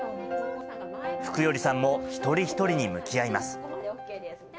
福頼さんも一人一人に向き合います。